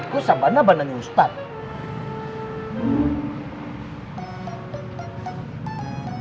kok sabana bandannya ustadz